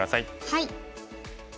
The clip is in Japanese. はい。